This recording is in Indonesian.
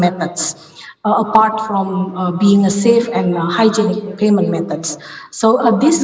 metode pembayaran yang aman dan hijau